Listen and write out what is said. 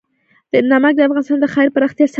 نمک د افغانستان د ښاري پراختیا سبب کېږي.